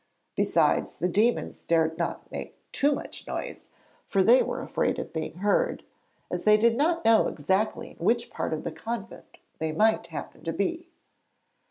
Besides, the demons dared not make too much noise, for they were afraid of being heard, as they did not know exactly in which part of the convent they might happen to be.